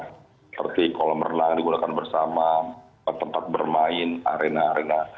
seperti kolam renang digunakan bersama tempat bermain arena arena